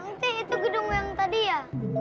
ang teh itu gedung yang tadi ya